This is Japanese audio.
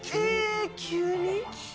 急に？